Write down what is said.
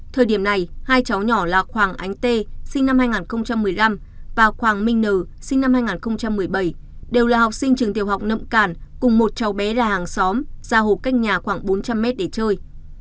thời điểm này hai cháu nhỏ là hoàng ánh tê sinh năm hai nghìn một mươi năm và hoàng minh n sinh năm hai nghìn một mươi bảy đều là học sinh trường tiểu học nậm càn cùng một cháu bé là hàng xóm ra hộp cách nhà khoảng bốn trăm linh m để chơi